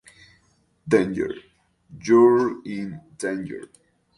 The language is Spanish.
Danger, You're in danger.